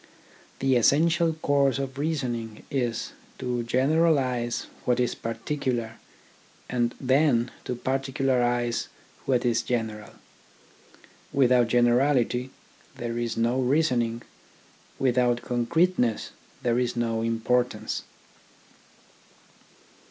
The essential course of reasoning is to general ise what is particular, and then to particularise what is general. Without generality there is no reasoning, without concreteness there is no importance.